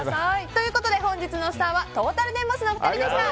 ということで本日のスターはトータルテンボスのお二人でした。